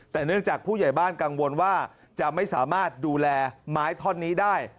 แต่เนื่องจากผู้ใหญ่บ้านกังวลว่าจะไม่สามารถดูแลไม้ท่อนนี้ได้